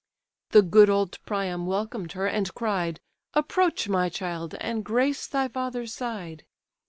The good old Priam welcomed her, and cried, "Approach, my child, and grace thy father's side.